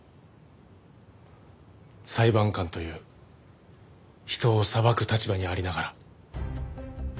裁判官という人を裁く立場にありながら。